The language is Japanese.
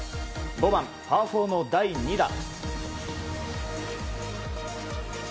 ５番、パー４の第２打。